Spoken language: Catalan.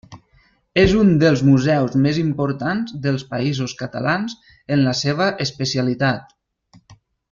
És un dels museus més importants dels Països Catalans en la seva especialitat.